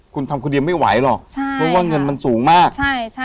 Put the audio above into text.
คุณทำก็ยังไม่ไหวหรอกใช่ค่ะเพราะว่าเงินมันสูงมากใช่ใช่ค่ะ